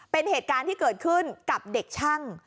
เป็นเหตุการณ์ที่เกิดขึ้นกับเด็กช่าง